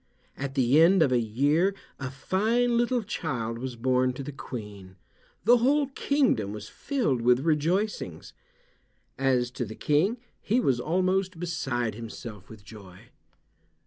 At the end of a year a fine little child was born to the Queen. The whole kingdom was filled with rejoicings. As to the King he was almost beside himself with joy.